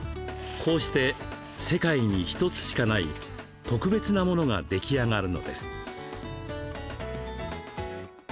こうして世界に１つしかない特別なものが出来上がるのです。